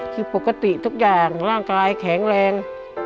คือปกติทุกอย่างร่างกายแข็งแรง